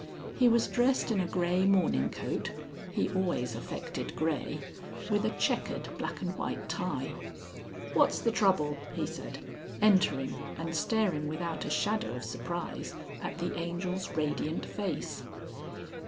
He was dressed in a grey morning coat (he always affected grey), with a chequered black and white tie. "What's the trouble?" he said, entering and staring without a shadow of surprise at the Angel's radiant face.